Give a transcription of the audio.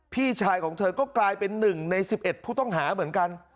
พี่ชายของเธอก็กลายเป็น๑ใน๑๑ผู้ต้องหาเหมือนกัน